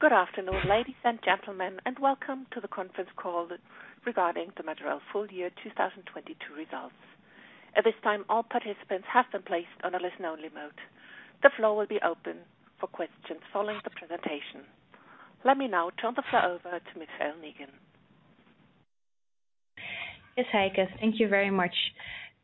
Good afternoon ladies and gentlemen, welcome to the conference call regarding the Majorel full year 2022 results. At this time all participants have been placed on a listen only mode. The floor will be open for questions following the presentation. Let me now turn the floor over to Michèle Negen. Yes Heike, thank you very much.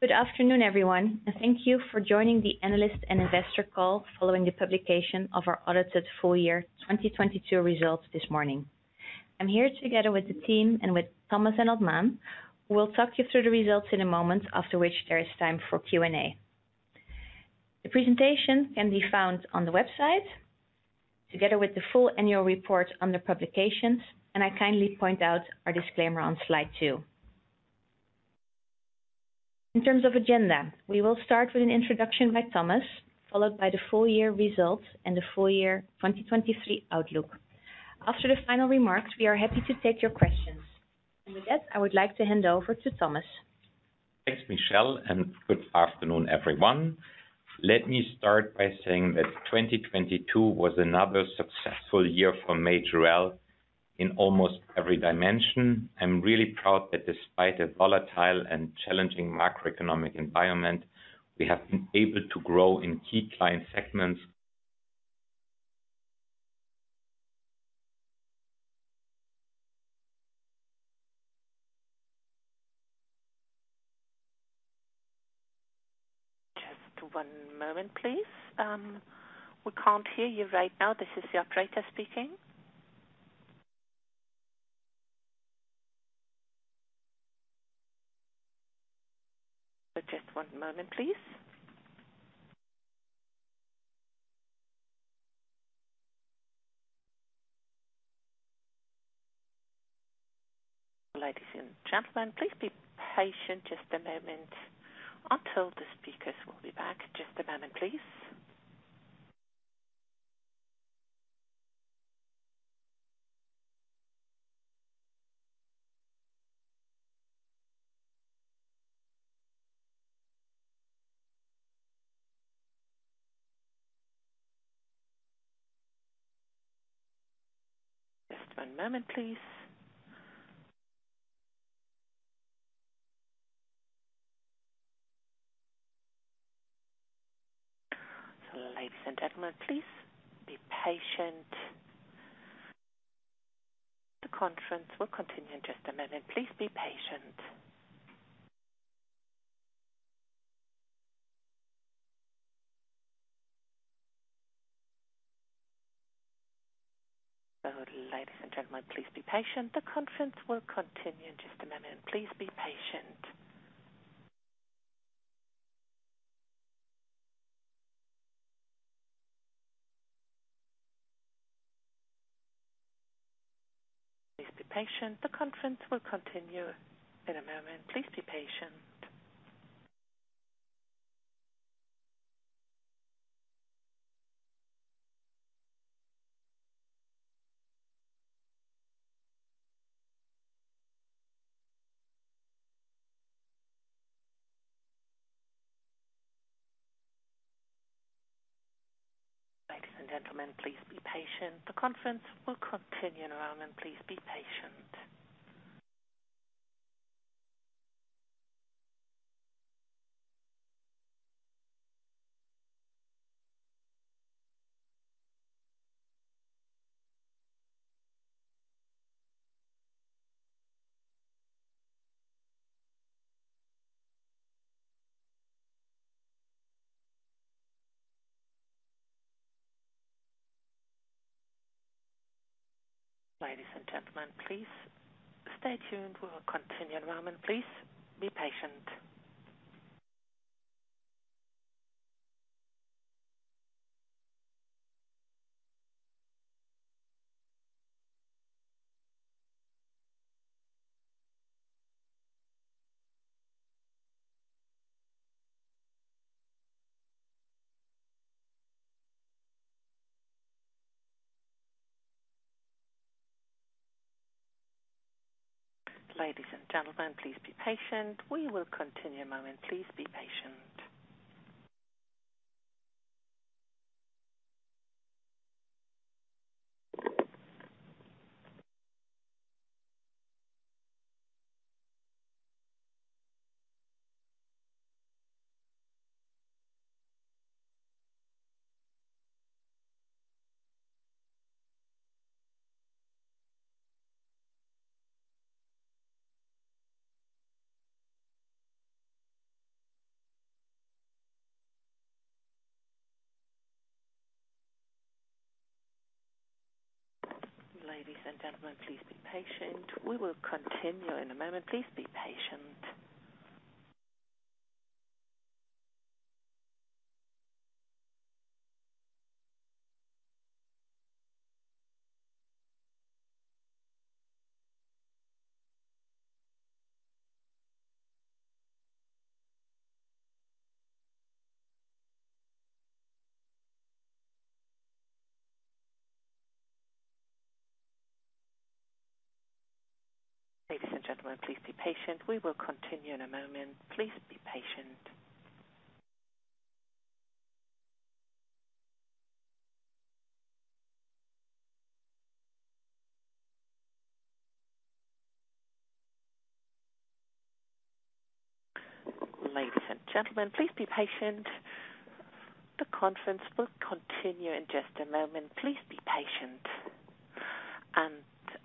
Good afternoon everyone and thank you for joining the analyst and investor call following the publication of our audited full year 2022 results this morning. I'm here together with the team and with Thomas and Otmane who will talk you through the results in a moment after which there is time for Q&A. The presentation can be found on the website together with the full annual report under publications and I kindly point out our disclaimer on slide two. In terms of agenda, we will start with an introduction by Thomas followed by the full year results and the full year 2023 outlook. After the final remarks we are happy to take your questions. With that, I would like to hand over to Thomas. Thanks Michèle and good afternoon everyone. Let me start by saying that 2022 was another successful year for Majorel in almost every dimension. I'm really proud that despite a volatile and challenging macroeconomic environment, we have been able to grow in key client segments.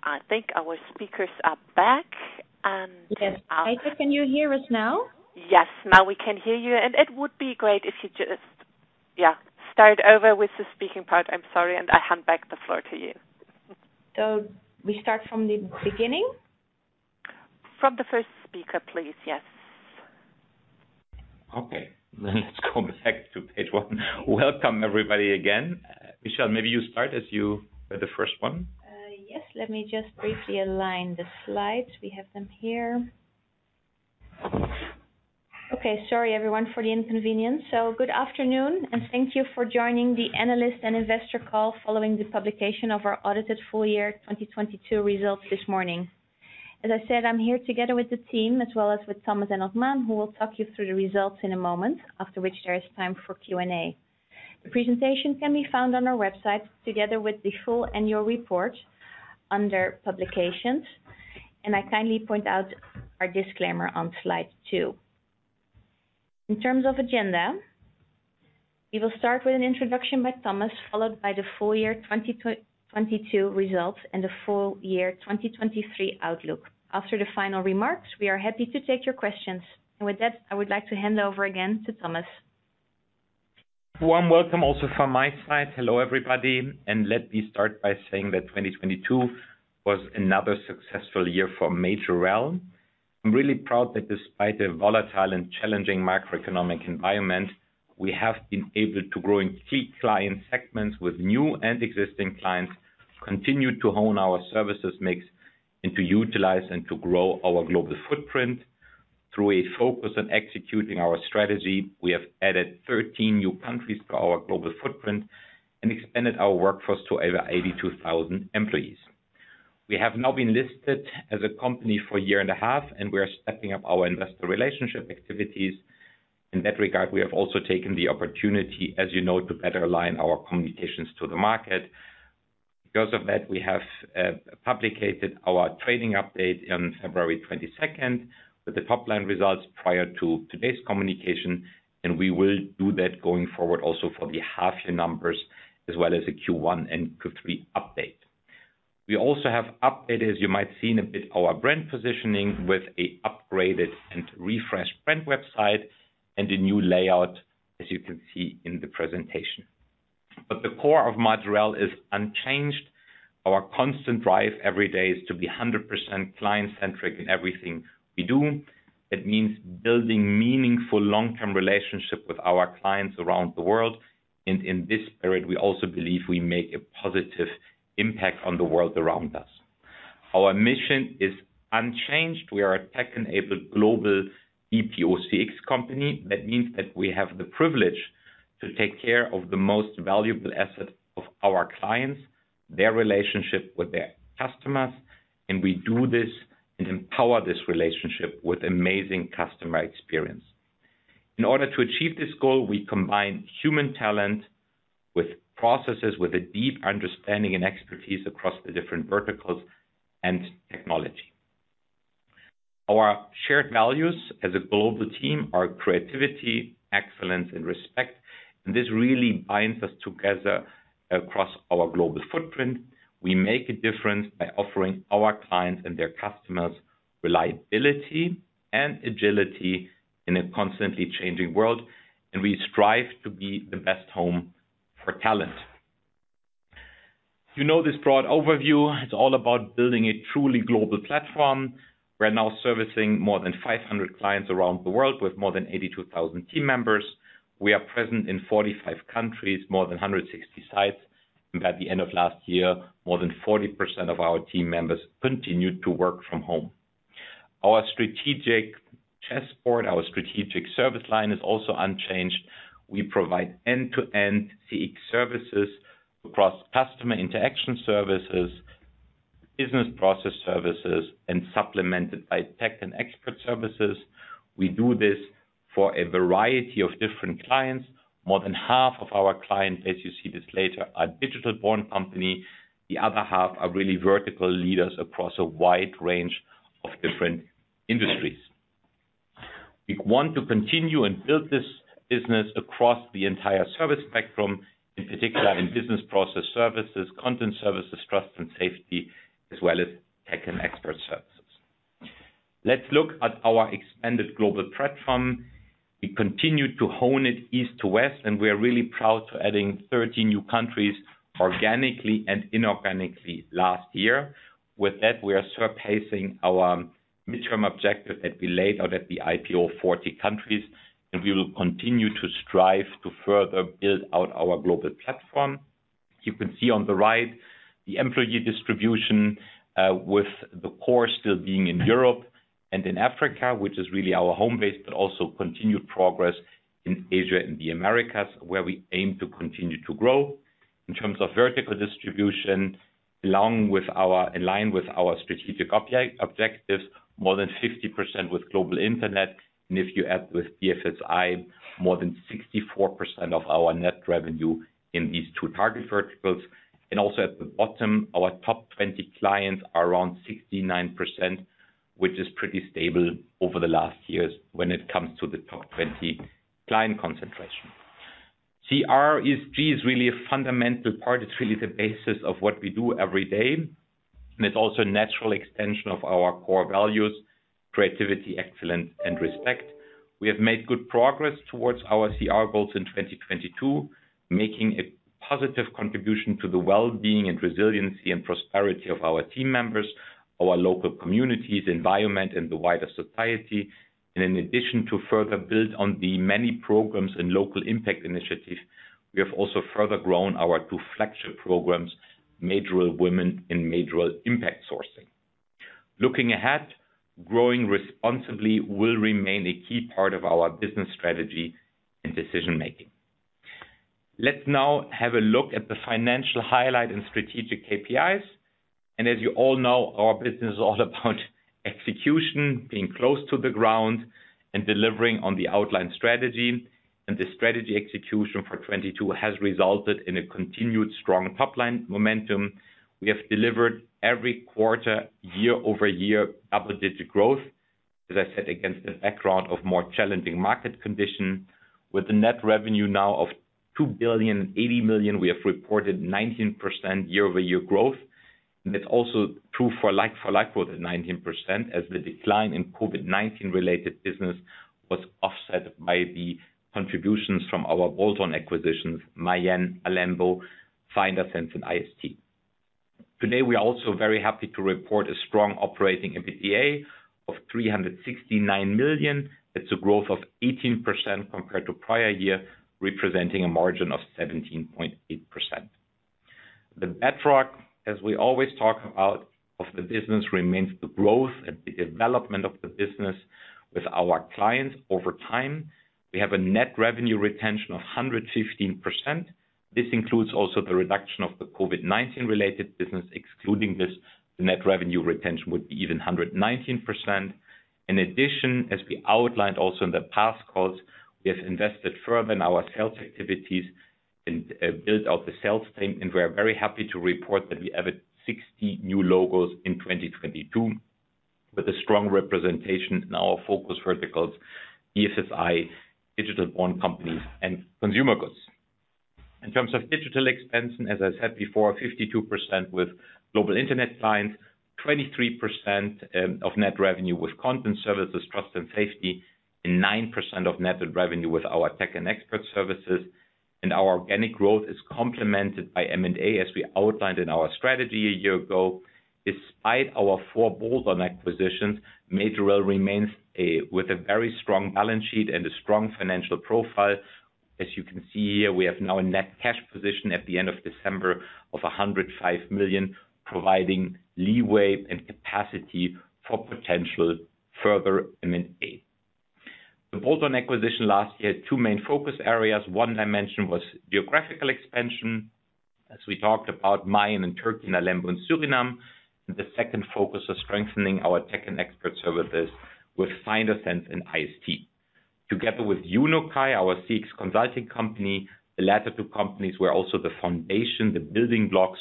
Okay, let's go back to page one. Welcome, everybody, again. Michèle, maybe you start as you were the first one. Yes. Let me just briefly align the slides. We have them here. Okay, sorry, everyone, for the inconvenience. Good afternoon, and thank you for joining the analyst and investor call following the publication of our audited full year 2022 results this morning. As I said, I'm here together with the team as well as with Thomas and Otmane, who will talk you through the results in a moment, after which there is time for Q&A. The presentation can be found on our website together with the full annual report under Publications. I kindly point out our disclaimer on slide two. In terms of agenda, we will start with an introduction by Thomas, followed by the full year 2022 results and the full year 2023 outlook. After the final remarks, we are happy to take your questions. With that, I would like to hand over again to Thomas. Warm welcome also from my side. Hello, everybody. Let me start by saying that 2022 was another successful year for Majorel. I'm really proud that despite the volatile and challenging macroeconomic environment, we have been able to grow in key client segments with new and existing clients, continue to hone our services mix, and to utilize and to grow our global footprint. Through a focus on executing our strategy, we have added 13 new countries to our global footprint and expanded our workforce to over 82,000 employees. We have now been listed as a company for a year and a half. We are stepping up our investor relationship activities. In that regard, we have also taken the opportunity, as you know, to better align our communications to the market. We have published our trading update on February 22nd with the top-line results prior to today's communication, and we will do that going forward also for the half-year numbers as well as the Q1 and Q3 update. We also have updated, as you might seen a bit, our brand positioning with a upgraded and refreshed brand website and a new layout, as you can see in the presentation. The core of Majorel is unchanged. Our constant drive every day is to be 100% client-centric in everything we do. It means building meaningful long-term relationship with our clients around the world. In this period, we also believe we make a positive impact on the world around us. Our mission is unchanged. We are a tech-enabled global EPOC company. That means that we have the privilege to take care of the most valuable asset of our clients, their relationship with their customers, and we do this and empower this relationship with amazing customer experience. In order to achieve this goal, we combine human talent with processes with a deep understanding and expertise across the different verticals and technology. Our shared values as a global team are creativity, excellence, and respect. This really binds us together across our global footprint. We make a difference by offering our clients and their customers reliability and agility in a constantly changing world. We strive to be the best home for talent. You know this broad overview. It's all about building a truly global platform. We're now servicing more than 500 clients around the world with more than 82,000 team members. We are present in 45 countries, more than 160 sites. At the end of last year, more than 40% of our team members continued to work from home. Our strategic chessboard, our strategic service line is also unchanged. We provide end-to-end CX services across Customer Interaction Services, Business Process Services, and supplemented by Tech & Expert Services. We do this for a variety of different clients. More than half of our clients, as you see this later, are digital-born company. The other half are really vertical leaders across a wide range of different industries. We want to continue and build this business across the entire service spectrum, in particular in Business Process Services, Content Services, Trust & Safety, as well as Tech & Expert Services. Let's look at our expanded global platform. We continued to hone it east to west, and we are really proud to adding 13 new countries organically and inorganically last year. With that, we are outpacing our midterm objective that we laid out at the IPO 40 countries, and we will continue to strive to further build out our global platform. You can see on the right the employee distribution, with the core still being in Europe, and in Africa, which is really our home base, but also continued progress in Asia and the Americas where we aim to continue to grow. In terms of vertical distribution, along with in line with our strategic objectives, more than 60% with Global Internet. If you add with BFSI, more than 64% of our net revenue in these two target verticals. Also at the bottom, our top 20 clients are around 69%, which is pretty stable over the last years when it comes to the top 20 client concentration. CR ESG is really a fundamental part. It's really the basis of what we do every day. It's also a natural extension of our core values: creativity, excellence, and respect. We have made good progress towards our CR goals in 2022, making a positive contribution to the well-being and resiliency and prosperity of our team members, our local communities, environment and the wider society. In addition to further build on the many programs and local impact initiatives, we have also further grown our two flagship programs, Majorel Women and Majorel Impact Sourcing. Looking ahead, growing responsibly will remain a key part of our business strategy and decision making. Let's now have a look at the financial highlight and strategic KPIs. As you all know, our business is all about execution, being close to the ground and delivering on the outlined strategy. The strategy execution for 2022 has resulted in a continued strong top-line momentum. We have delivered every quarter, year-over-year upper digit growth, as I said, against the background of more challenging market conditions. With a net revenue now of 2.08 billion, we have reported 19% year-over-year growth. It's also true for like, for like with the 19% as the decline in COVID-19 related business was offset by the contributions from our bolt-on acquisitions, Mayen, Alembo, Findasense and IST. Today, we are also very happy to report a strong operating EBITDA of 369 million. It's a growth of 18% compared to prior year, representing a margin of 17.8%. The bedrock, as we always talk about, of the business remains the growth and the development of the business with our clients over time. We have a net revenue retention of 115%. This includes also the reduction of the COVID-19 related business. Excluding this, the net revenue retention would be even 119%. In addition, as we outlined also in the past calls, we have invested further in our sales activities and built out the sales team, and we are very happy to report that we added 60 new logos in 2022 with a strong representation in our focus verticals, BFSI, digital born companies and consumer goods. In terms of digital expansion, as I said before, 52% with Global Internet clients, 23% of net revenue with Content Services, Trust & Safety, and 9% of net revenue with our Tech & Expert Services. Our organic growth is complemented by M&A, as we outlined in our strategy a year ago. Despite our four bolt-on acquisitions, Majorel remains with a very strong balance sheet and a strong financial profile. As you can see here, we have now a net cash position at the end of December of 105 million, providing leeway and capacity for potential further M&A. The bolt-on acquisition last year, two main focus areas. One I mentioned was geographical expansion, as we talked about Mayen in Turkey and Alembo in Suriname. The second focus was strengthening our Tech & Expert Services with Findasense and in IST. Together with Junokai, our CX consulting company, the latter two companies were also the foundation, the building blocks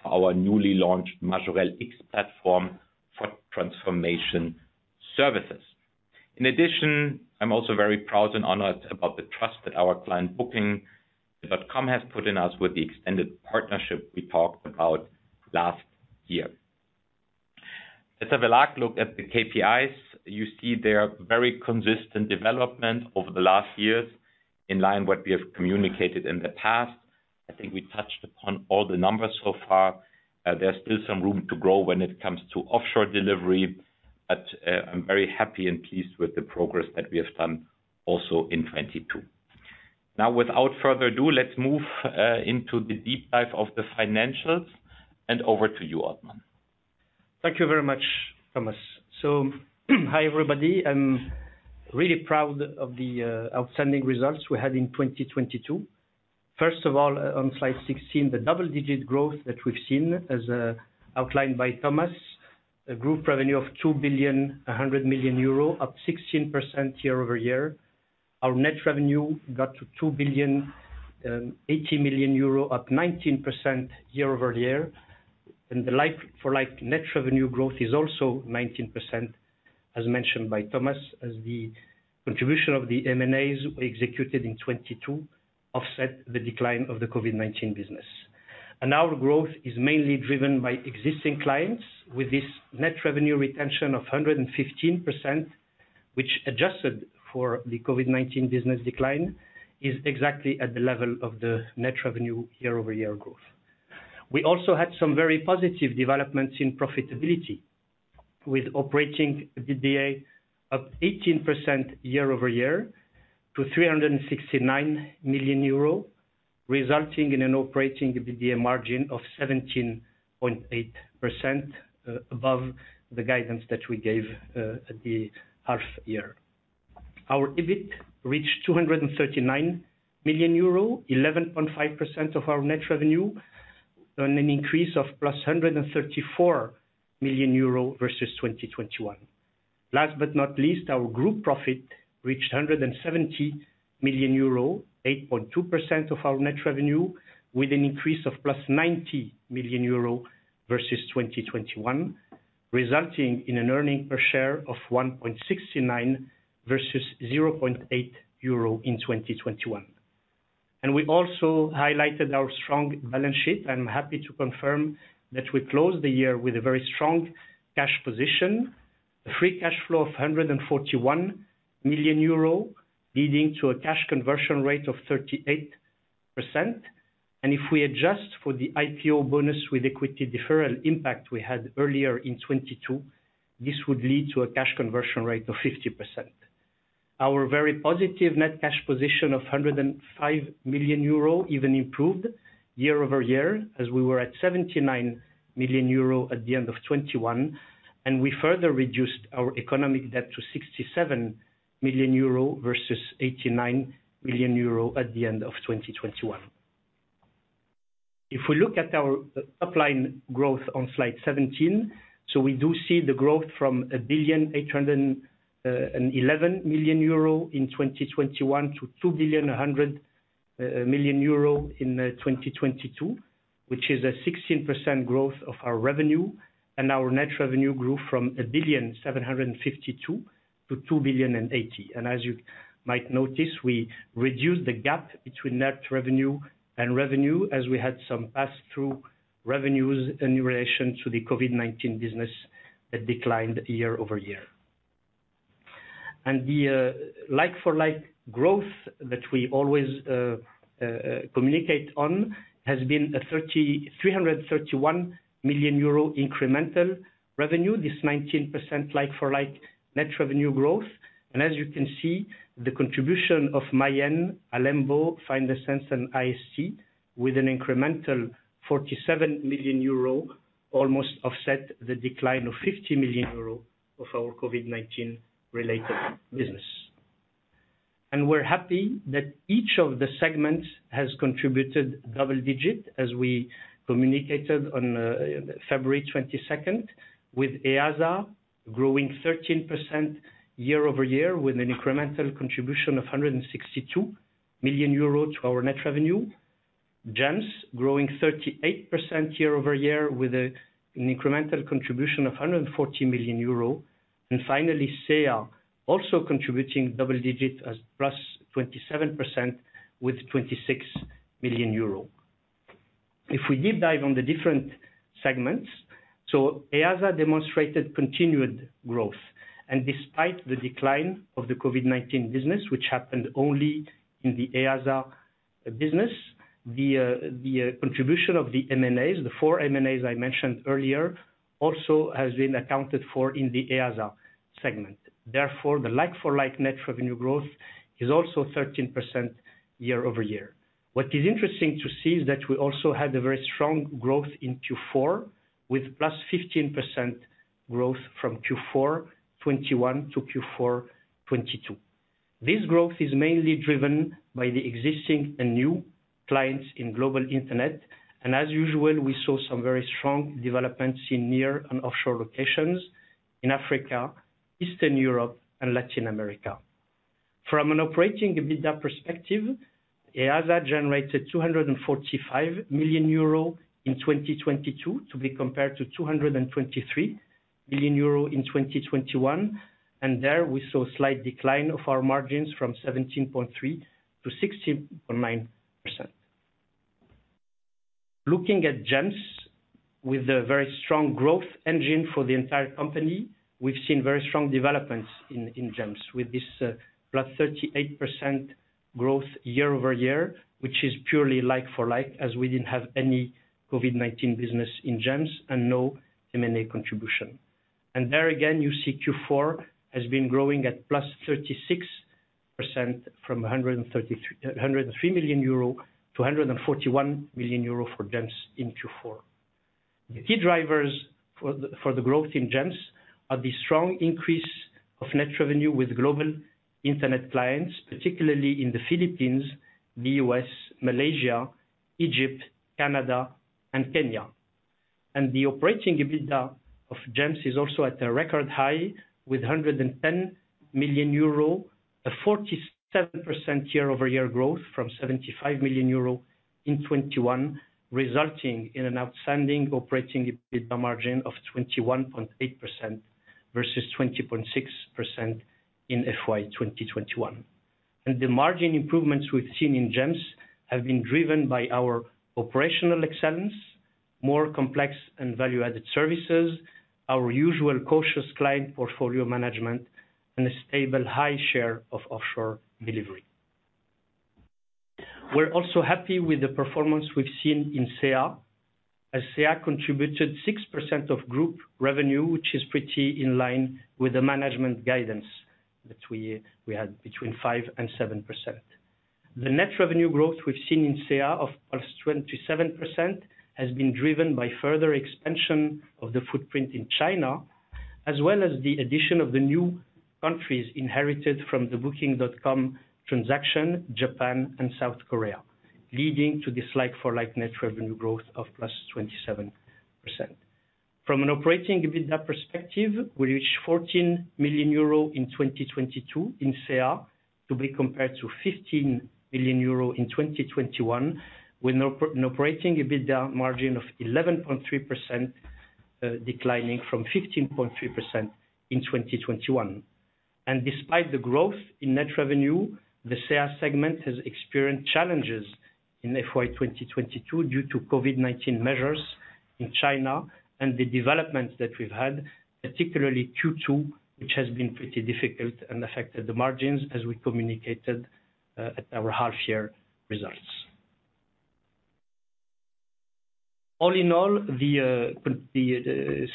for our newly launched Majorel X platform for transformation services. In addition, I'm also very proud and honored about the trust that our client, Booking.com, has put in us with the extended partnership we talked about last year. Let's have a last look at the KPIs. You see their very consistent development over the last years in line what we have communicated in the past. I think we touched upon all the numbers so far. There's still some room to grow when it comes to offshore delivery, but I'm very happy and pleased with the progress that we have done also in 22. Now, without further ado, let's move into the deep dive of the financials, and over to you, Otmane. Thank you very much, Thomas. Hi, everybody. I'm really proud of the outstanding results we had in 2022. First of all, on slide 16, the double-digit growth that we've seen as outlined by Thomas, a group revenue of 2,100 million euro, up 16% year-over-year. Our net revenue got to 2,080 million euro, up 19% year-over-year. The like for like net revenue growth is also 19%, as mentioned by Thomas, as the contribution of the M&As we executed in 2022 offset the decline of the COVID-19 business. Our growth is mainly driven by existing clients. With this net revenue retention of 115%, which adjusted for the COVID-19 business decline, is exactly at the level of the net revenue year-over-year growth. We also had some very positive developments in profitability, with operating EBITDA up 18% year-over-year to 369 million euro. Resulting in an operating EBITDA margin of 17.8% above the guidance that we gave at the half year. Our EBIT reached 239 million euro, 11.5% of our net revenue, on an increase of +134 million euro versus 2021. Last but not least, our group profit reached 170 million euro, 8.2% of our net revenue, with an increase of +90 million euro versus 2021, resulting in an earning per share of 1.69 versus 0.8 euro in 2021. We also highlighted our strong balance sheet. I'm happy to confirm that we closed the year with a very strong cash position. A free cash flow of 141 million euro, leading to a cash conversion rate of 38%. If we adjust for the IPO bonus with Equity Deferral impact we had earlier in 2022, this would lead to a cash conversion rate of 50%. Our very positive net cash position of 105 million euro even improved year-over-year, as we were at 79 million euro at the end of 2021, and we further reduced our economic debt to 67 million euro versus 89 million euro at the end of 2021. If we look at our top line growth on slide 17. We do see the growth from 1,811 million euro in 2021 to 2,100 million euro in 2022, which is a 16% growth of our revenue. Our net revenue grew from 1.752 billion to 2.080 billion. As you might notice, we reduced the gap between net revenue and revenue as we had some pass-through revenues in relation to the COVID-19 business that declined year-over-year. The like-for-like growth that we always communicate on has been a 3,331 million euro incremental revenue. This 19% like-for-like net revenue growth. As you can see, the contribution of Mayen, Alembo, Findasense and IST with an incremental 47 million euro almost offset the decline of 50 million euro of our COVID-19 related business. We're happy that each of the segments has contributed double-digit, as we communicated on February 22nd, with EASA growing 13% year-over-year with an incremental contribution of 162 million euros to our net revenue. GEMS growing 38% year-over-year with an incremental contribution of 140 million euro. Finally, CEA also contributing double-digits as +27% with 26 million euro. If we deep dive on the different segments. EASA demonstrated continued growth. Despite the decline of the COVID-19 business, which happened only in the EASA business, the contribution of the MNAs, the four MNAs I mentioned earlier, also has been accounted for in the EASA segment. Therefore, the like-for-like net revenue growth is also 13% year-over-year. What is interesting to see is that we also had a very strong growth in Q4 with +15% growth from Q4 2021 to Q4 2022. This growth is mainly driven by the existing and new clients in Global Internet. As usual, we saw some very strong developments in near and offshore locations in Africa, Eastern Europe and Latin America. From an operating EBITDA perspective, EASA generated 245 million euro in 2022, to be compared to 223 million euro in 2021. There we saw a slight decline of our margins from 17.3% to 16.9%. Looking at GEMS with a very strong growth engine for the entire company, we've seen very strong developments in GEMS with this +38% growth year-over-year, which is purely like for like, as we didn't have any COVID-19 business in GEMS and no M&A contribution. There again, you see Q4 has been growing at +36% from 103 million euro to 141 million euro for GEMS in Q4. The key drivers for the growth in GEMS are the strong increase of net revenue with Global Internet clients, particularly in the Philippines, the US, Malaysia, Egypt, Canada and Kenya. The operating EBITDA of GEMS is also at a record high with 110 million euro, a 47% year-over-year growth from 75 million euro in 2021, resulting in an outstanding operating EBITDA margin of 21.8% versus 20.6% in FY 2021. The margin improvements we've seen in GEMS have been driven by our operational excellence, more complex and value-added services, our usual cautious client portfolio management and a stable high share of offshore delivery. We're also happy with the performance we've seen in CEA. As SEA contributed 6% of group revenue, which is pretty in line with the management guidance that we had between 5% and 7%. The net revenue growth we've seen in SEA of +27% has been driven by further expansion of the footprint in China, as well as the addition of the new countries inherited from the Booking.com transaction, Japan and South Korea, leading to this like-for-like net revenue growth of +27%. From an operating EBITDA perspective, we reached 14 million euro in 2022 in SEA to be compared to 15 million euro in 2021, with an operating EBITDA margin of 11.3%, declining from 15.3% in 2021. Despite the growth in net revenue, the SEA segment has experienced challenges in FY 2022 due to COVID-19 measures in China and the developments that we've had, particularly Q2, which has been pretty difficult and affected the margins as we communicated at our half year results. All in all the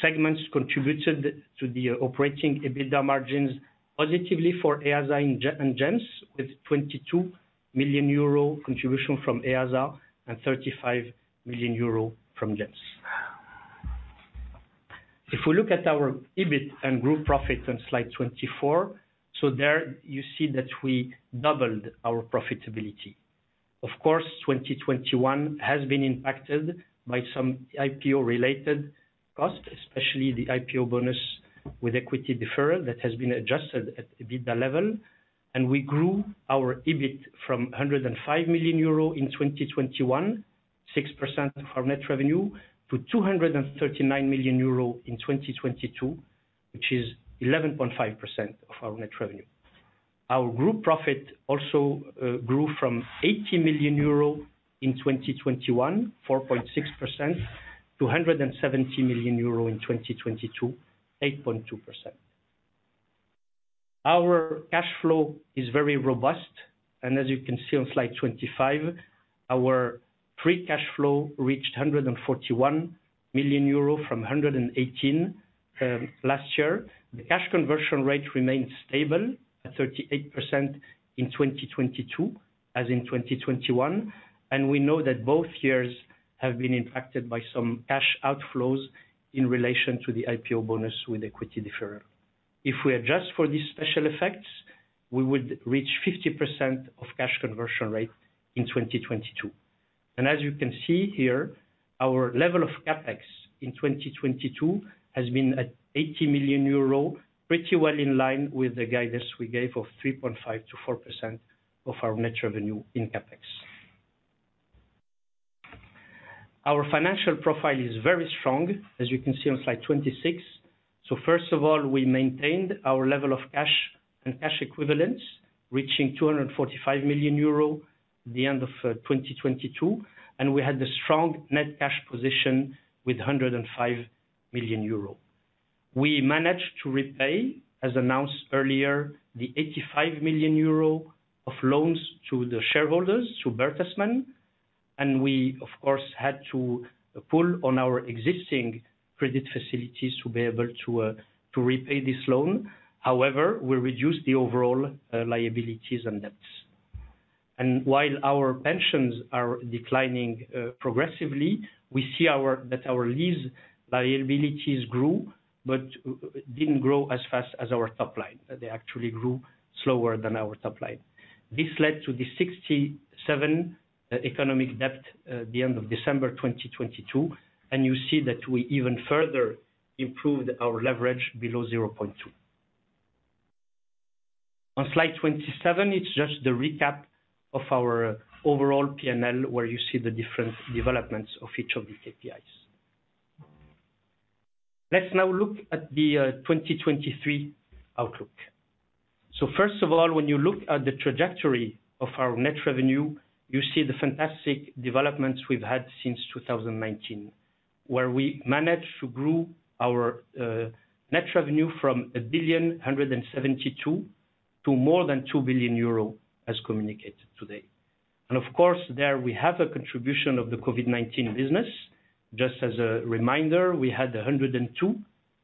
segments contributed to the operating EBITDA margins positively for EASA and Global Internet, with 22 million euro contribution from EASA and 35 million euro from Global Internet. If we look at our EBIT and group profit on slide 24. There you see that we doubled our profitability. Of course, 2021 has been impacted by some IPO related costs, especially the IPO bonus with Equity Deferral that has been adjusted at EBITDA level. We grew our EBIT from 105 million euro in 2021, 6% of our net revenue, to 239 million euro in 2022, which is 11.5% of our net revenue. Our group profit also grew from 80 million euro in 2021, 4.6%, to 170 million euro in 2022, 8.2%. Our cash flow is very robust. As you can see on slide 25, our free cash flow reached 141 million euro from 118 million last year. The cash conversion rate remained stable at 38% in 2022, as in 2021. We know that both years have been impacted by some cash outflows in relation to the IPO bonus with Equity Deferral. If we adjust for these special effects, we would reach 50% of cash conversion rate in 2022. As you can see here, our level of CapEx in 2022 has been at 80 million euro, pretty well in line with the guidance we gave of 3.5%-4% of our net revenue in CapEx. Our financial profile is very strong, as you can see on slide 26. First of all, we maintained our level of cash and cash equivalents, reaching 245 million euro the end of 2022. We had a strong net cash position with 105 million euro. We managed to repay, as announced earlier, the 85 million euro of loans to the shareholders, to Bertelsmann. We of course had to pull on our existing credit facilities to be able to repay this loan. However, we reduced the overall liabilities and debts. While our pensions are declining progressively, we see that our lease liabilities grew but didn't grow as fast as our top line. They actually grew slower than our top line. This led to the 67 economic debt at the end of December 2022. You see that we even further improved our leverage below 0.2. On slide 27, it's just the recap of our overall P&L, where you see the different developments of each of these KPIs. Let's now look at the 2023 outlook. First of all, when you look at the trajectory of our net revenue, you see the fantastic developments we've had since 2019, where we managed to grow our net revenue from 1.172 billion to more than 2 billion euro as communicated today. Of course, there we have a contribution of the COVID-19 business. Just as a reminder, we had a 102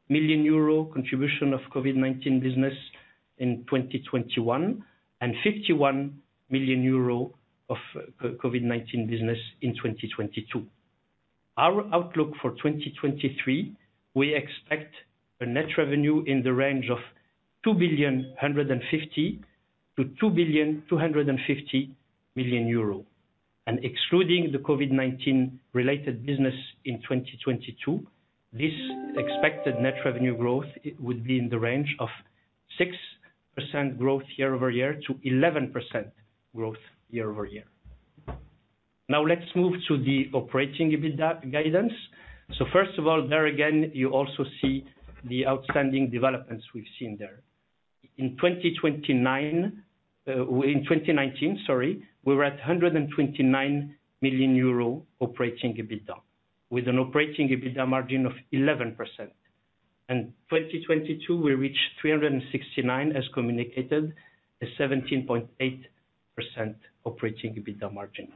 million euro contribution of COVID-19 business in 2021, and 51 million euro of COVID-19 business in 2022. Our outlook for 2023, we expect a net revenue in the range of 2.15 billion-2.25 billion. Excluding the COVID-19 related business in 2022, this expected net revenue growth would be in the range of 6%-11% growth year-over-year. Let's move to the operating EBITDA guidance. First of all, there again, you also see the outstanding developments we've seen there. In 2019, we were at 129 million euro operating EBITDA, with an operating EBITDA margin of 11%. 2022, we reached 369 million as communicated, a 17.8% operating EBITDA margin.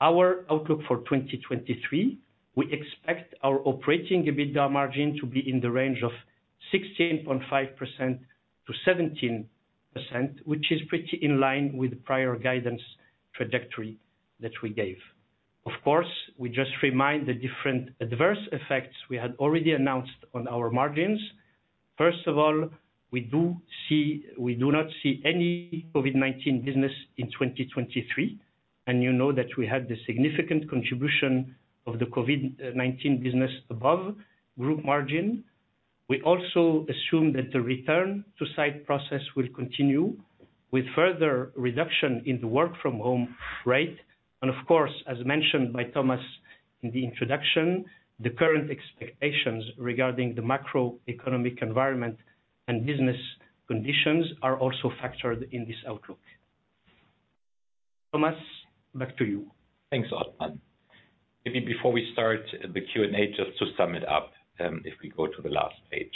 Our outlook for 2023, we expect our operating EBITDA margin to be in the range of 16.5%-17%, which is pretty in line with prior guidance trajectory that we gave. Of course, we just remind the different adverse effects we had already announced on our margins. First of all, we do not see any COVID-19 business in 2023. You know that we had the significant contribution of the COVID-19 business above group margin. We also assume that the return to site process will continue with further reduction in the work from home rate. Of course, as mentioned by Thomas in the introduction, the current expectations regarding the macroeconomic environment and business conditions are also factored in this outlook. Thomas, back to you. Thanks, Otmane. Maybe before we start the Q&A, just to sum it up, if we go to the last page.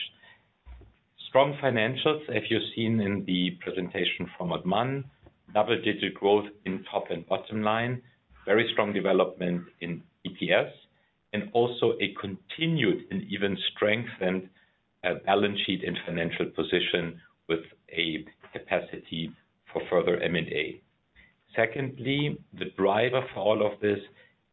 Strong financials, as you've seen in the presentation from Otmane. Double digital growth in top and bottom line. Very strong development in EPS, also a continued and even strengthened balance sheet and financial position with a capacity for further M&A. Secondly, the driver for all of this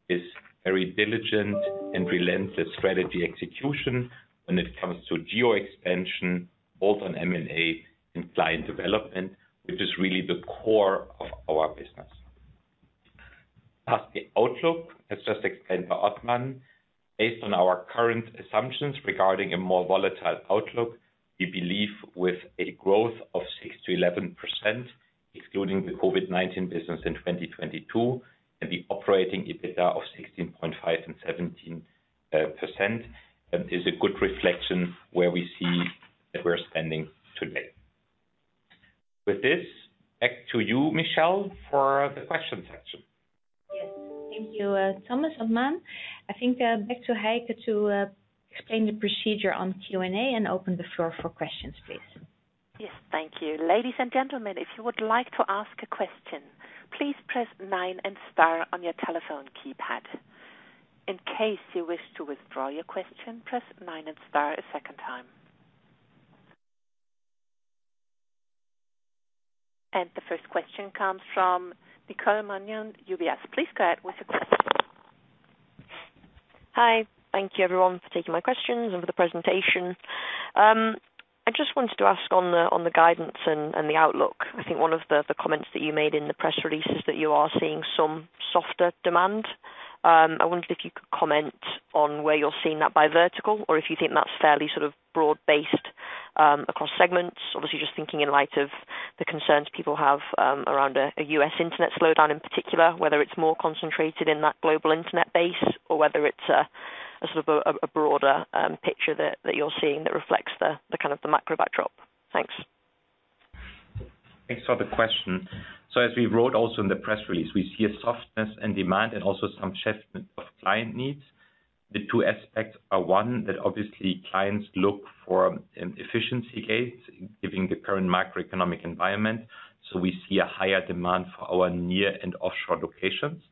is very diligent and relentless strategy execution when it comes to geo expansion, both on M&A and client development, which is really the core of our business. As the outlook, as just explained by Otmane, based on our current assumptions regarding a more volatile outlook, we believe with a growth of 6%-11%, excluding the COVID-19 business in 2022, and the operating EBITDA of 16.5% and 17%, that is a good reflection where we see that we're standing today. With this, back to you, Michèle, for the question session. Yes. Thank you, Thomas, Otmane. I think, back to Heike to explain the procedure on Q&A and open the floor for questions, please. Yes, thank you. Ladies and gentlemen, if you would like to ask a question, please press nine and star on your telephone keypad. In case you wish to withdraw your question, press nine and star a second time. The first question comes from Nicole Manion, UBS. Please go ahead with your question. Hi. Thank you everyone for taking my questions and for the presentation. I just wanted to ask on the guidance and the outlook. I think one of the comments that you made in the press release is that you are seeing some softer demand. I wondered if you could comment on where you're seeing that by vertical or if you think that's fairly sort of broad-based across segments. Obviously just thinking in light of the concerns people have around a U.S. internet slowdown in particular. Whether it's more concentrated in that Global Internet base or whether it's a sort of a broader picture that you're seeing that reflects the kind of the macro backdrop. Thanks. Thanks for the question. As we wrote also in the press release, we see a softness in demand and also some shift of client needs. The two aspects are, one, that obviously clients look for an efficiency gains given the current macroeconomic environment. We see a higher demand for our near and offshore locations.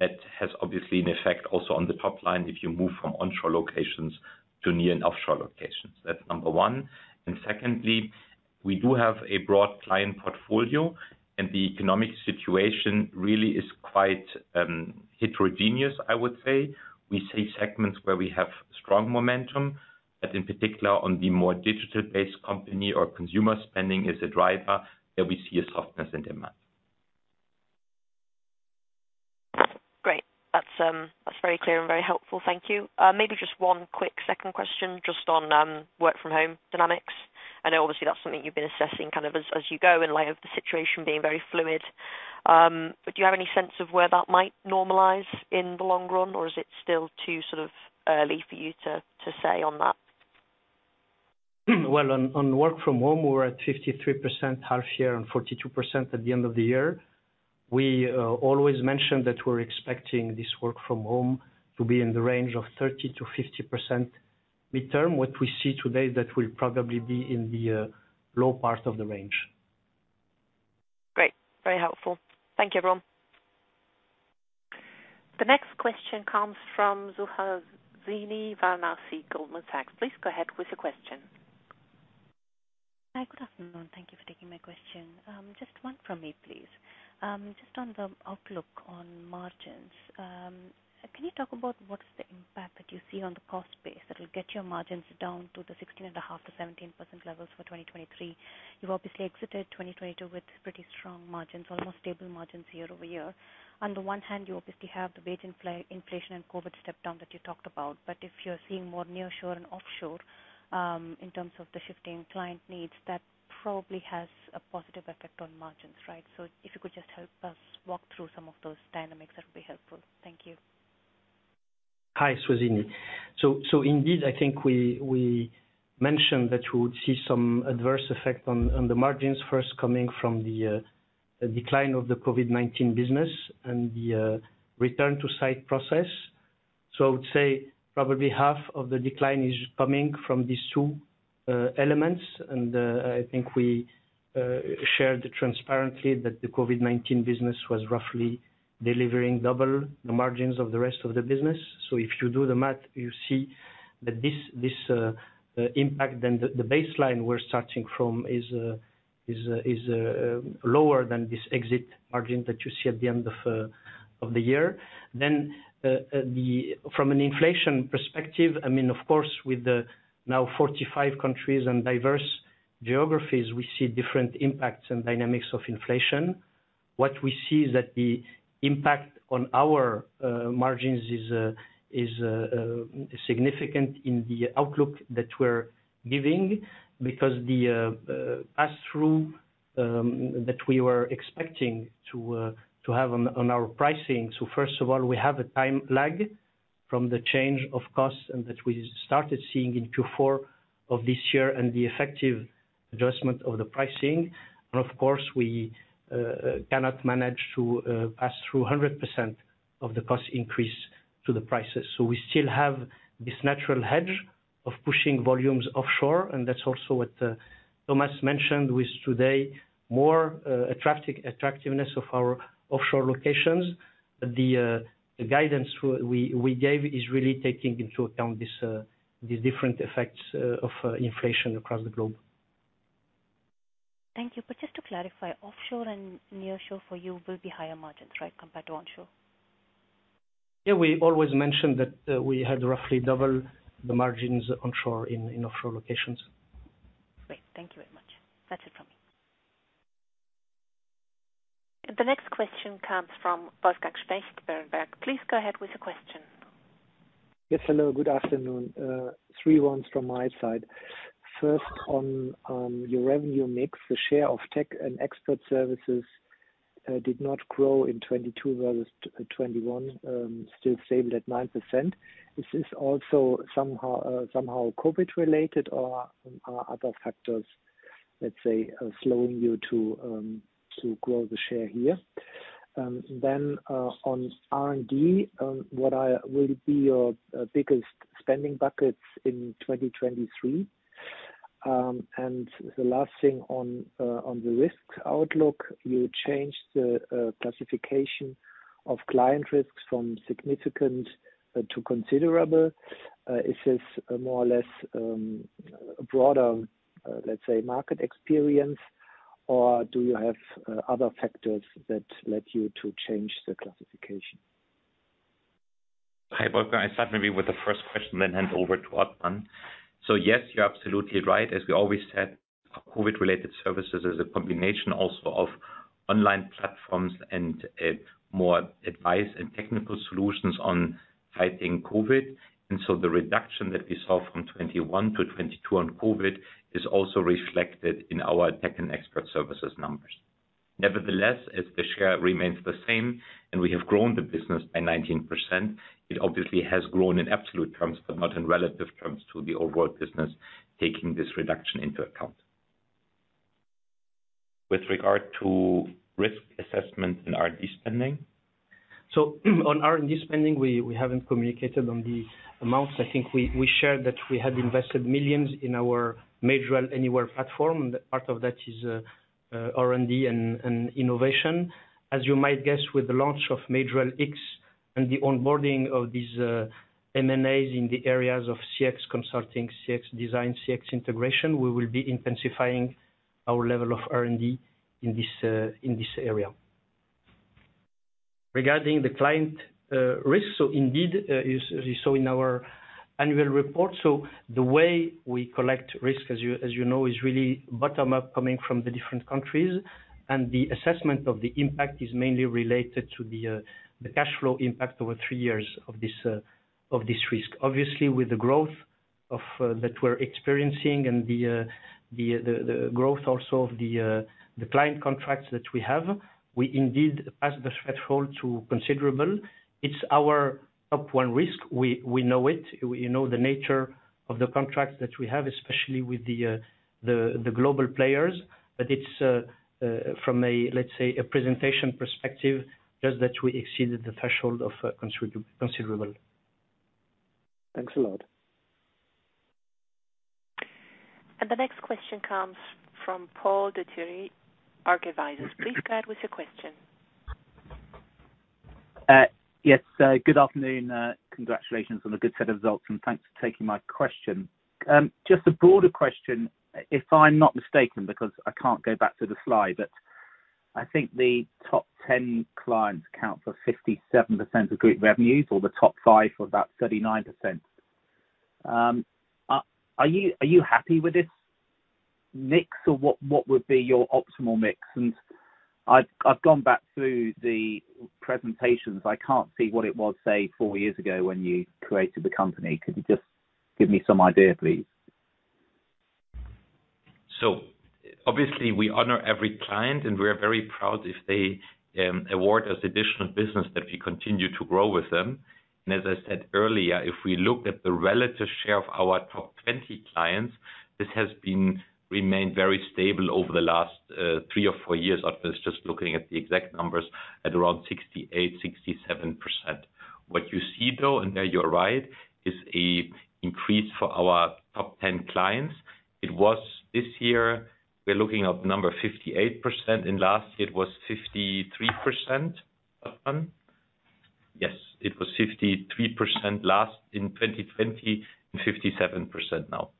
That has obviously an effect also on the top line if you move from onshore locations to near and offshore locations. That's number one. Secondly, we do have a broad client portfolio, and the economic situation really is quite heterogeneous, I would say. We see segments where we have strong momentum, but in particular on the more digital-based company our consumer spending is a driver that we see a softness in demand. Great. That's, that's very clear and very helpful. Thank you. Maybe just one quick second question just on work from home dynamics. I know obviously that's something you've been assessing kind of as you go in light of the situation being very fluid. Do you have any sense of where that might normalize in the long run? Is it still too sort of early for you to say on that? On work from home, we're at 53% half year and 42% at the end of the year. We always mention that we're expecting this work from home to be in the range of 30%-50% midterm. What we see today is that we'll probably be in the low part of the range. Great. Very helpful. Thank you, everyone. The next question comes from Suhasini Varanasi, Goldman Sachs. Please go ahead with your question. Hi. Good afternoon. Thank you for taking my question. Just one from me, please. Just on the outlook on margins. Can you talk about what is the impact that you see on the cost base that will get your margins down to the 16.5%-17% levels for 2023? You've obviously exited 2022 with pretty strong margins, almost stable margins year-over-year. On the one hand, you obviously have the wage inflation and COVID step down that you talked about. If you're seeing more nearshore and offshore, in terms of the shifting client needs, that probably has a positive effect on margins, right? If you could just help us walk through some of those dynamics, that would be helpful. Thank you. Hi, Suhasini. Indeed, I think we mentioned that you would see some adverse effect on the margins first coming from the decline of the COVID-19 business and the return to site process. I would say probably half of the decline is coming from these two elements. I think we shared transparently that the COVID-19 business was roughly delivering double the margins of the rest of the business. If you do the math, you see that this impact, the baseline we're starting from is lower than this exit margin that you see at the end of the year. From an inflation perspective, I mean, of course, with the now 45 countries and diverse geographies, we see different impacts and dynamics of inflation. What we see is that the impact on our margins is significant in the outlook that we're giving because the passthrough that we were expecting to have on our pricing. First of all, we have a time lag from the change of costs and that we started seeing in Q4 of this year and the effective adjustment of the pricing. Of course, we cannot manage to pass through 100% of the cost increase to the prices. We still have this natural hedge of pushing volumes offshore, and that's also what Thomas mentioned with today, more attractiveness of our offshore locations. The guidance we gave is really taking into account these different effects of inflation across the globe. Thank you. Just to clarify, offshore and nearshore for you will be higher margins, right, compared to onshore? Yeah. We always mentioned that we had roughly double the margins onshore in offshore locations. Great. Thank you very much. That's it from me. The next question comes from Wolfgang Specht, Berenberg. Please go ahead with the question. Yes. Hello. Good afternoon. Three ones from my side. First, on your revenue mix, the share of Tech & Expert Services did not grow in 2022 versus 2021. Still stable at 9%. Is this also somehow COVID related or are other factors, let's say, slowing you to grow the share here? On R&D, what will be your biggest spending buckets in 2023? The last thing on the risk outlook, you changed the classification of client risks from significant to considerable. Is this more or less broader, let's say, market experience, or do you have other factors that led you to change the classification? Hi, Wolfgang. I'll start maybe with the first question, then hand over to Otmane. Yes, you're absolutely right. As we always said, COVID-related services is a combination also of online platforms and more advice and technical solutions on fighting COVID. The reduction that we saw from 2021 to 2022 on COVID is also reflected in our Tech & Expert Services numbers. Nevertheless, as the share remains the same and we have grown the business by 19%, it obviously has grown in absolute terms, but not in relative terms to the overall business, taking this reduction into account. With regard to risk assessment and R&D spending. On R&D spending, we haven't communicated on the amounts. I think we shared that we had invested millions in our Majorel Anywhere platform, and part of that is R&D and innovation. As you might guess, with the launch of Majorel X and the onboarding of these MNAs in the areas of CX consulting, CX design, CX integration, we will be intensifying our level of R&D in this area. Regarding the client risk, indeed, you saw in our annual report. The way we collect risk, as you know, is really bottom-up coming from the different countries. The assessment of the impact is mainly related to the cash flow impact over three years of this risk. Obviously, with the growth that we're experiencing and the growth also of the client contracts that we have, we indeed passed the threshold to considerable. It's our top one risk. We know it. We know the nature of the contracts that we have, especially with the, the global players. It's from a, let's say, a presentation perspective, just that we exceeded the threshold of considerable. Thanks a lot. The next question comes from Paul de Thierry, Arke Advisers. Please go ahead with your question. Yes. Good afternoon. Congratulations on the good set of results, and thanks for taking my question. Just a broader question, if I'm not mistaken, because I can't go back to the slide, but I think the top 10 clients account for 57% of group revenues, or the top five for about 39%. Are you happy with this mix or what would be your optimal mix? I've gone back through the presentations. I can't see what it was, say, four years ago when you created the company. Could you just give me some idea, please? Obviously we honor every client, and we are very proud if they award us additional business that we continue to grow with them. As I said earlier, if we look at the relative share of our top 20 clients, this remained very stable over the last three or four years. Otmane is just looking at the exact numbers, at around 68%, 67%. What you see though, and you're right, is a increase for our top 10 clients. It was this year, we're looking at number 58%, last year it was 53%. Otmane? Yes, it was 53% last in 2020 and 57% now.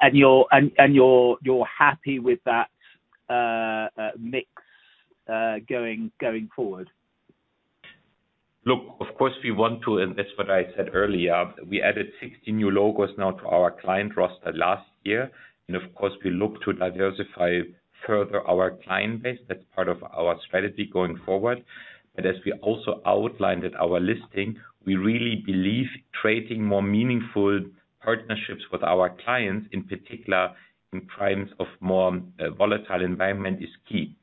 And you're happy with that mix going forward? Look, of course we want to, and that's what I said earlier. We added 60 new logos now to our client roster last year, and of course, we look to diversify further our client base. That's part of our strategy going forward. As we also outlined at our listing, we really believe creating more meaningful partnerships with our clients, in particular in times of more volatile environment is key.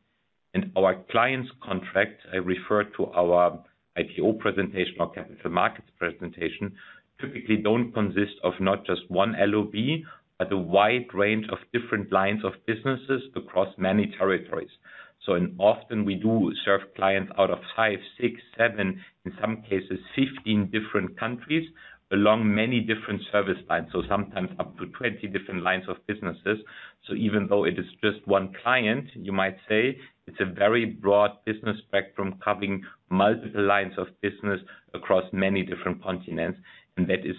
Our clients contract, I refer to our IPO presentation or capital markets presentation, typically don't consist of not just one LOB, but a wide range of different lines of businesses across many territories. Often we do serve clients out of five, six, seven, in some cases 15 different countries along many different service lines. Sometimes up to 20 different lines of businesses. Even though it is just one client, you might say it's a very broad business spectrum covering multiple lines of business across many different continents, and that is,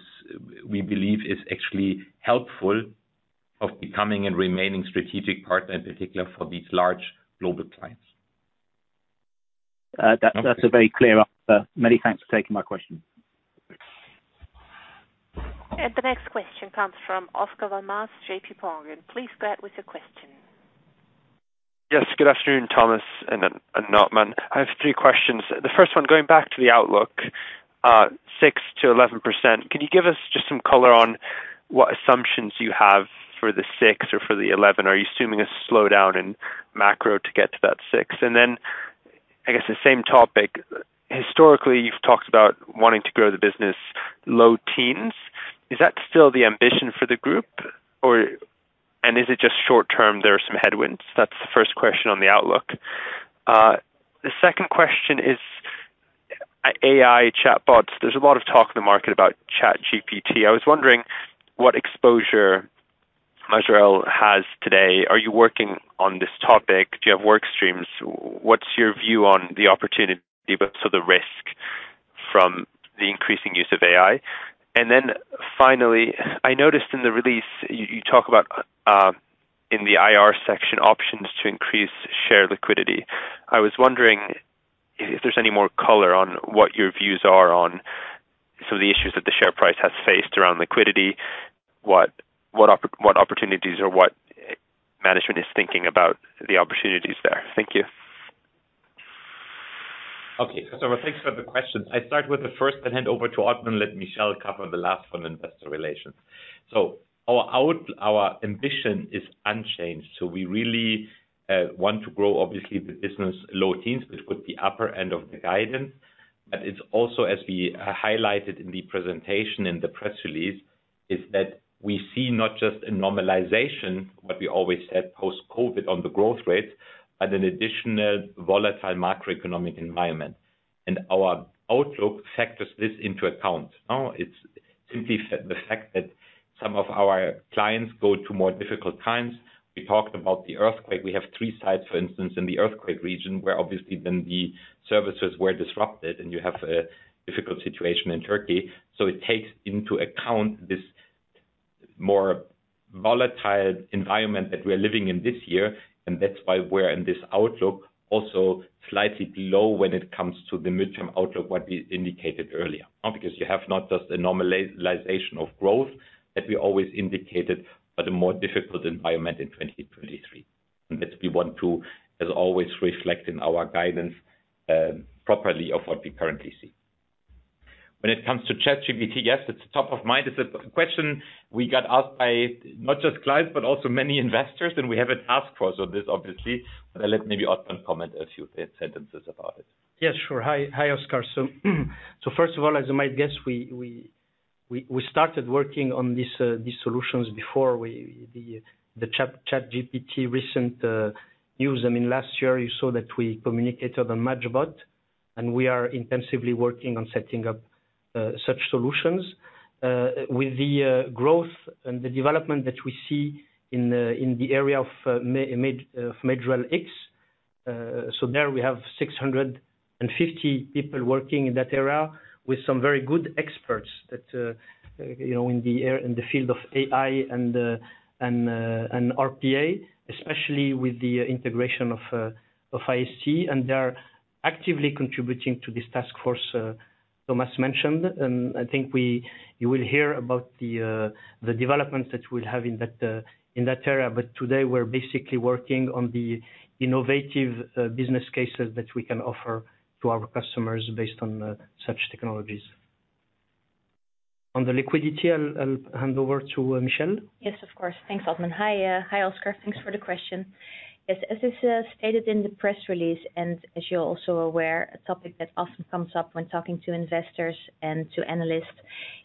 we believe, is actually helpful of becoming and remaining strategic partner, in particular for these large global clients. That's a very clear answer. Many thanks for taking my question. Thanks. The next question comes from Oscar Val Mas, J.P. Morgan. Please go ahead with your question. Yes, good afternoon, Thomas and Otmane. I have three questions. The first one, going back to the outlook, 6%-11%. Can you give us just some color on what assumptions you have for the six or for the 11? Are you assuming a slowdown in macro to get to that six? Then I guess the same topic. Historically, you've talked about wanting to grow the business low teens. Is that still the ambition for the group? Is it just short-term, there are some headwinds? That's the first question on the outlook. The second question is AI chatbots. There's a lot of talk in the market about ChatGPT. I was wondering what exposure Majorel has today. Are you working on this topic? Do you have work streams? What's your view on the opportunity, but so the risk from the increasing use of AI? Finally, I noticed in the release you talk about in the IR section, options to increase share liquidity. I was wondering if there's any more color on what your views are on some of the issues that the share price has faced around liquidity, what opportunities or what management is thinking about the opportunities there? Thank you. Okay. Thanks for the question. I'll start with the first then hand over to Otmane, let Michèle cover the last one, investor relations. Our ambition is unchanged, so we really want to grow, obviously the business low teens, which put the upper end of the guidance. It's also as we highlighted in the presentation in the press release, is that we see not just a normalization, what we always said post-COVID on the growth rate, but an additional volatile macroeconomic environment. Our outlook factors this into account. It's simply the fact that some of our clients go to more difficult times. We talked about the earthquake. We have three sites, for instance, in the earthquake region, where obviously then the services were disrupted and you have a difficult situation in Turkey. It takes into account this more volatile environment that we're living in this year, and that's why we're in this outlook also slightly low when it comes to the midterm outlook, what we indicated earlier. Not because you have not just a normalization of growth that we always indicated, but a more difficult environment in 2023. That we want to, as always, reflect in our guidance properly of what we currently see. When it comes to ChatGPT, yes, it's top of mind. It's a question we got asked by not just clients, but also many investors, and we have a task force on this obviously. I'll let maybe Otmane comment a few sentences about it. Yeah, sure. Hi. Hi, Oscar. First of all, as you might guess, we started working on this, these solutions before the ChatGPT recent news. I mean, last year you saw that we communicated on majBOT, and we are intensively working on setting up such solutions. With the growth and the development that we see in the area of Majorel X. There we have 650 people working in that area with some very good experts that, you know, in the field of AI and RPA, especially with the integration of ICT. They are actively contributing to this task force, Thomas mentioned, and I think you will hear about the developments that we'll have in that in that area. Today we're basically working on the innovative business cases that we can offer to our customers based on such technologies. On the liquidity, I'll hand over to Michèle. Yes, of course. Thanks, Otmane. Hi. Hi, Oscar. Thanks for the question. Yes, as is stated in the press release, and as you're also aware, a topic that often comes up when talking to investors and to analysts.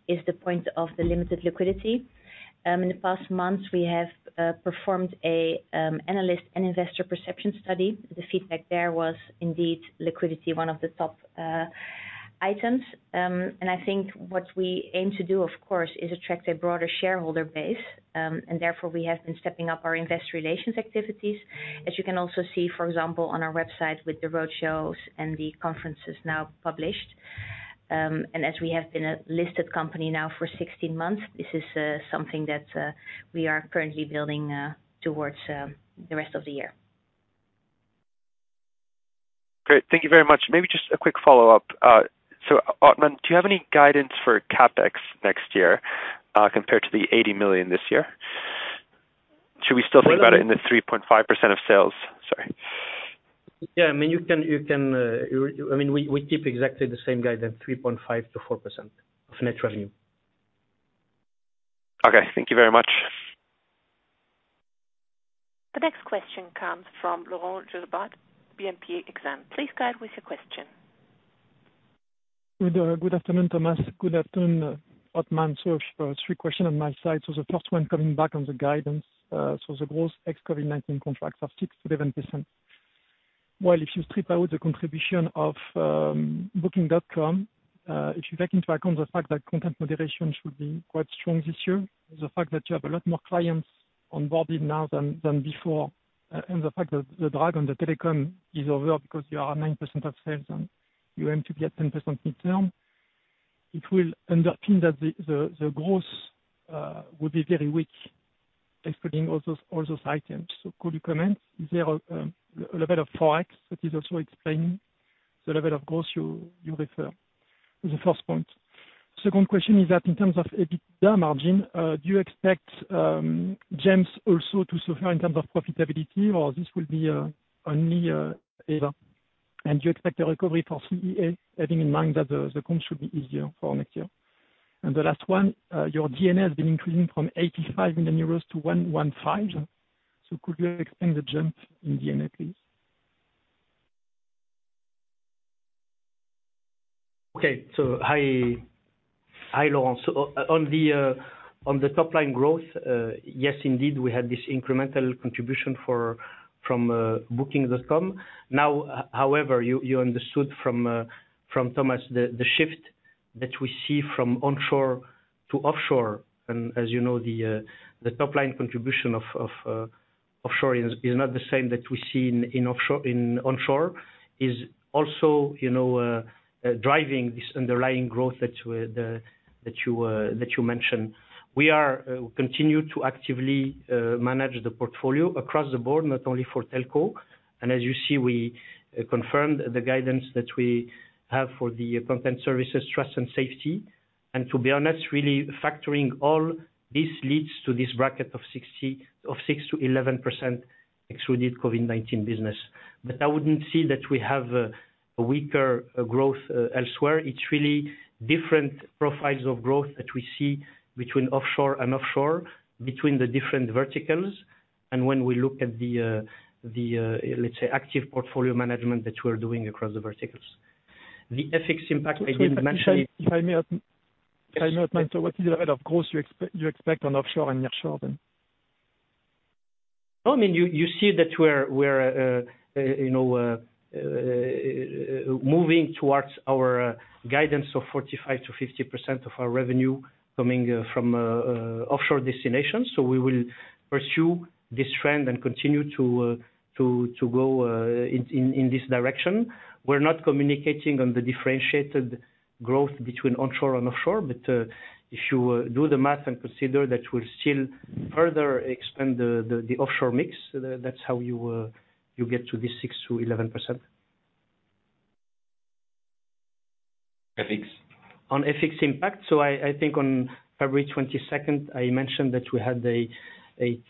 Is the point of the limited liquidity. In the past months, we have performed an analyst and investor perception study. The feedback there was indeed liquidity, one of the top items. I think what we aim to do, of course, is attract a broader shareholder base. Therefore, we have been stepping up our investor relations activities. As you can also see, for example, on our website with the roadshows and the conferences now published. As we have been a listed company now for 16 months, this is something that we are currently building towards the rest of the year. Great. Thank you very much. Maybe just a quick follow-up. Otmane, do you have any guidance for CapEx next year, compared to 80 million this year? Should we still think about it in the 3.5% of sales? Sorry. Yeah, I mean, you can, I mean we keep exactly the same guidance, 3.5%-4% of net revenue. Okay. Thank you very much. The next question comes from Laurent Gelebart, BNP Exane. Please go ahead with your question. Good afternoon, Thomas. Good afternoon, Othman. Three question on my side. The first one coming back on the guidance. The growth ex-COVID-19 contracts are 6%-11%. While if you strip out the contribution of Booking.com, if you take into account the fact that content moderation should be quite strong this year, the fact that you have a lot more clients on board now than before, and the fact that the drag on the telecom is over because you are at 9% of sales and you aim to be at 10% midterm. It will end up meaning that the growth will be very weak excluding all those items. Could you comment, is there a level of FX that is also explaining the level of growth you refer as the first point? Second question is that in terms of EBITDA margin, do you expect GEMS also to suffer in terms of profitability or this will be only EASA? Do you expect a recovery for CEA, having in mind that the comp should be easier for next year? The last one, your DNA has been increasing from 85 million euros to 115 million. Could you explain the jump in DNA, please? Hi, Laurent. On the top line growth, yes, indeed, we had this incremental contribution for, from booking.com. Now, however, you understood from Thomas the shift that we see from onshore to offshore. As you know, the top line contribution of offshore is not the same that we see in offshore... In onshore. Is also, you know, driving this underlying growth that you mentioned. We are continue to actively manage the portfolio across the board, not only for telco. As you see, we confirmed the guidance that we have for the Content Services Trust & Safety. To be honest, really factoring all this leads to this bracket of 6-11% excluded COVID-19 business. I wouldn't say that we have a weaker growth elsewhere. It's really different profiles of growth that we see between offshore and offshore, between the different verticals, and when we look at the, let's say, active portfolio management that we're doing across the verticals. The FX impact I didn't mention... Excuse me. If I may add, Otmane, what is the level of growth you expect on offshore and nearshore then? I mean, you see that we're, you know, moving towards our guidance of 45%-50% of our revenue coming from offshore destinations. We will pursue this trend and continue to go in this direction. We're not communicating on the differentiated growth between onshore and offshore. If you do the math and consider that we'll still further expand the offshore mix, that's how you'll get to this 6%-11%. On FX impact, I think on February 22nd, I mentioned that we had a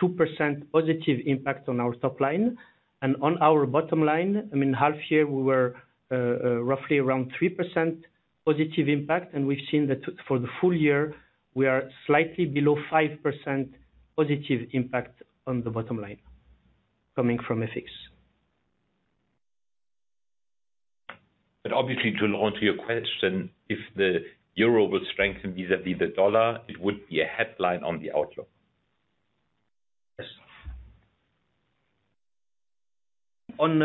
2% positive impact on our top line. On our bottom line, I mean half year we were roughly around 3% positive impact, and we've seen that for the full year we are slightly below 5% positive impact on the bottom line coming from FX. Obviously, to Laurent's, your question, if the euro will strengthen vis-à-vis the dollar, it would be a headline on the outlook. Yes. On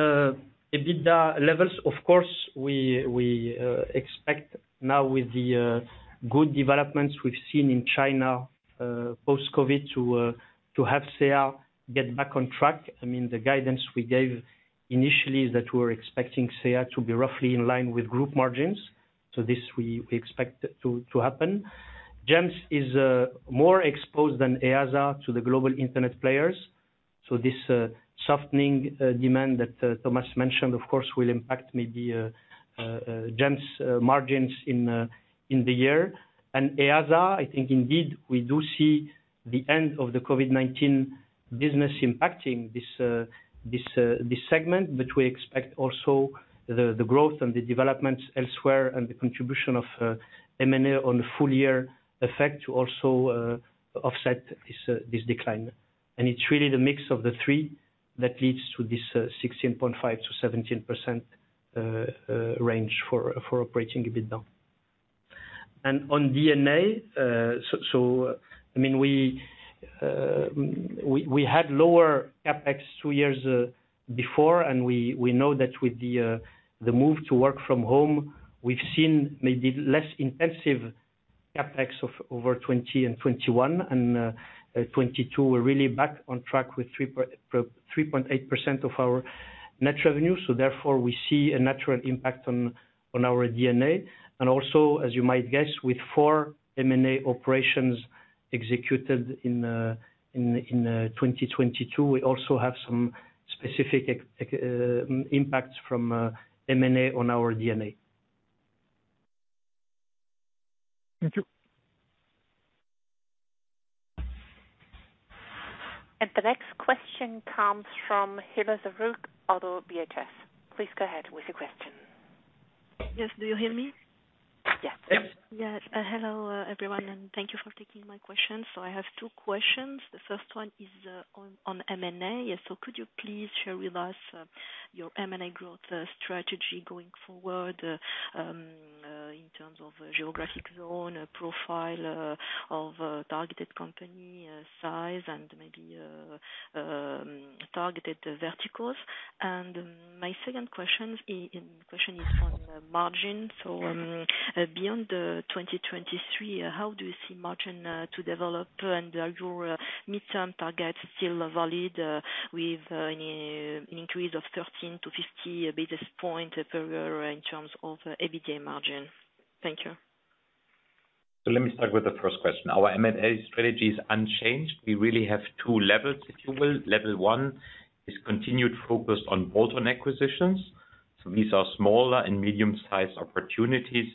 EBITDA levels, of course, we expect now with the good developments we've seen in China, post-COVID to have CEA get back on track. I mean, the guidance we gave initially is that we're expecting CEA to be roughly in line with group margins. This we expect it to happen. GEMS is more exposed than EASA to the Global Internet players. This softening demand that Thomas mentioned, of course, will impact maybe GEMS' margins in the year. EASA, I think, indeed, we do see the end of the COVID-19 business impacting this segment. We expect also the growth and the developments elsewhere and the contribution of M&A on the full year effect to also offset this decline. It's really the mix of the three that leads to this 16.5%-17% range for operating EBITDA. On DNA, I mean, we had lower CapEx two years before, and we know that with the move to work from home, we've seen maybe less intensive CapEx over 2020 and 2021. 2022, we're really back on track with 3.8% of our net revenue, so therefore, we see a natural impact on our DNA. Also, as you might guess, with four M&A operations executed in 2022, we also have some specific impacts from M&A on our DNA. Thank you. The next question comes from Hicham Zerrouk, Oddo BHF. Please go ahead with your question. Yes. Do you hear me? Yes. Hello, everyone, and thank you for taking my question. I have two questions. The first one is on M&A. Could you please share with us your M&A growth strategy going forward in terms of geographic zone, profile of targeted company, size, and maybe targeted verticals? My second question is on margin. Beyond 2023, how do you see margin to develop, and are your midterm targets still valid with an increase of 13 to 50 basis points for in terms of EBITDA margin? Thank you. Let me start with the first question. Our M&A strategy is unchanged. We really have two levels, if you will. Level one is continued focus on bolt-on acquisitions. These are smaller and medium-sized opportunities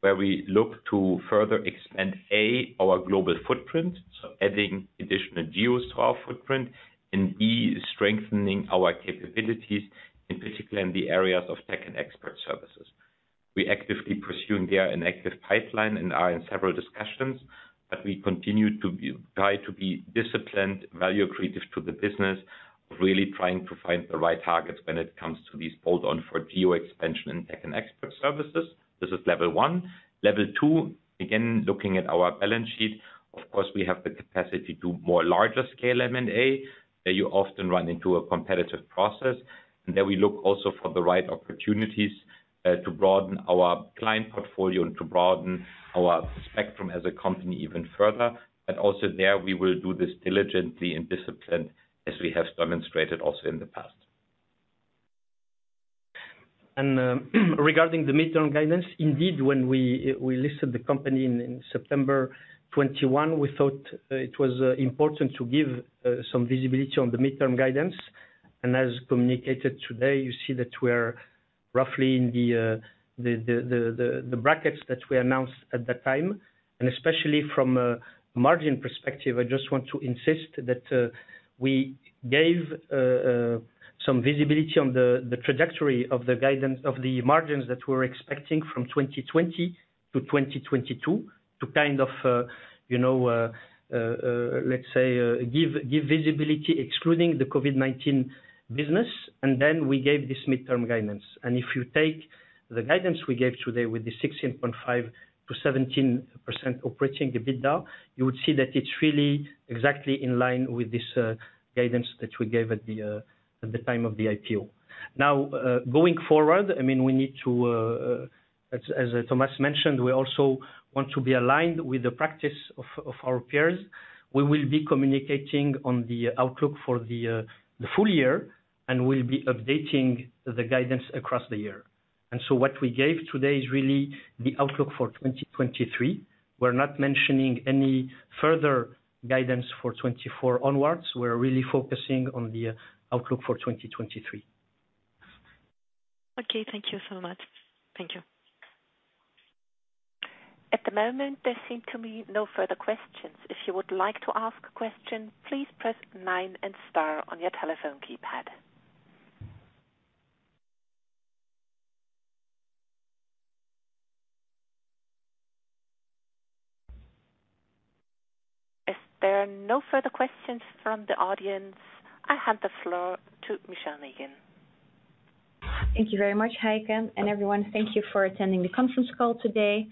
where we look to further expand, A., our global footprint, so adding additional geos to our footprint, and B., strengthening our capabilities, in particular in the areas of Tech & Expert Services. We actively pursue there an active pipeline and are in several discussions, but we continue to be disciplined, value accretive to the business, really trying to find the right targets when it comes to these bolt-on for geo expansion and Tech & Expert Services. This is level one. Level two, again, looking at our balance sheet. Of course, we have the capacity to more larger scale M&A, where you often run into a competitive process. There we look also for the right opportunities to broaden our client portfolio and to broaden our spectrum as a company even further. Also there, we will do this diligently and disciplined, as we have demonstrated also in the past. Regarding the midterm guidance, indeed, when we listed the company in September 2021, we thought it was important to give some visibility on the midterm guidance. As communicated today, you see that we're roughly in the brackets that we announced at that time. Especially from a margin perspective, I just want to insist that we gave some visibility on the trajectory of the guidance of the margins that we were expecting from 2020 to 2022 to kind of, you know, let's say, give visibility excluding the COVID-19 business. Then we gave this midterm guidance. If you take the guidance we gave today with the 16.5%-17% operating EBITDA, you would see that it's really exactly in line with this guidance that we gave at the time of the IPO. Going forward, I mean, we need to as Thomas mentioned, we also want to be aligned with the practice of our peers. We will be communicating on the outlook for the full year, and we'll be updating the guidance across the year. What we gave today is really the outlook for 2023. We're not mentioning any further guidance for 2024 onwards. We're really focusing on the outlook for 2023. Okay. Thank you so much. Thank you. At the moment, there seem to be no further questions. If you would like to ask a question, please press nine and star on your telephone keypad. If there are no further questions from the audience, I hand the floor to Michèle Negen. Thank you very much, Heike. Everyone, thank you for attending the conference call today.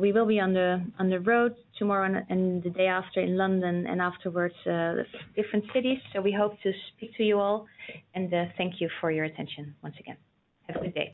We will be on the road tomorrow and the day after in London and afterwards, different cities. We hope to speak to you all, and thank you for your attention once again. Have a good day.